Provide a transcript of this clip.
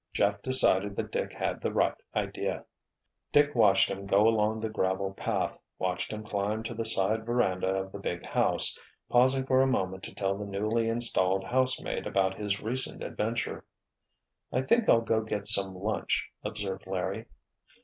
Jeff decided that Dick had the right idea. Dick watched him go along the gravel path, watched him climb to the side veranda of the big house, pausing for a moment to tell the newly installed housemaid about his recent adventure. "I think I'll go get some lunch," observed Larry.